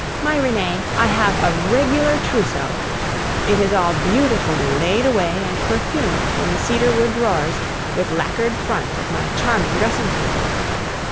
My Renee, I have a regular trousseau! It is all beautifully laid away and perfumed in the cedar wood drawers with lacquered front of my charming dressing table.